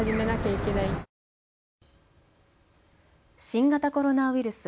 新型コロナウイルス。